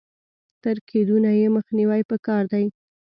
تر کېدونه يې مخنيوی په کار دی.